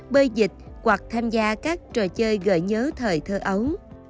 bơi dịch hoặc tham gia các trò chơi gợi nhớ thời thơ ấu